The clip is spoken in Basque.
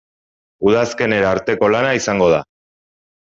Udazkenera arteko lana izango da.